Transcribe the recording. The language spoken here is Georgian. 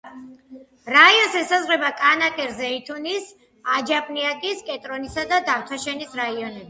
რაიონს ესაზღვრება კანაკერ-ზეითუნის, აჯაპნიაკის, კენტრონისა და დავთაშენის რაიონები.